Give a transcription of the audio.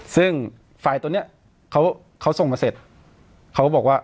ซึ่งไฟล์ตัวเนี้ยเขาเขาส่งมาเสร็จเขาบอกว่า